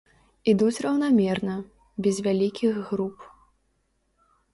Ідуць раўнамерна, без вялікіх груп.